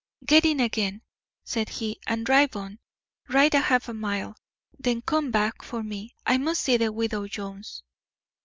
"Get in again," said he, "and drive on. Ride a half mile, then come back for me. I must see the widow Jones."